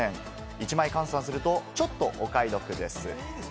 １枚換算すると、ちょっとお買い得です。